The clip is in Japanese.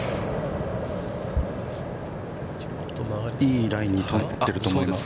◆いいラインに飛んでいってると思います。